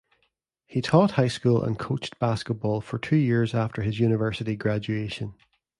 He taught high school and coached basketball for two years after his university graduation.